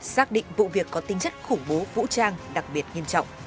xác định vụ việc có tinh chất khủng bố vũ trang đặc biệt nghiêm trọng